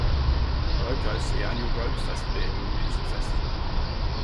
Roke hosts the annual Rokefest Beer and Music Festival.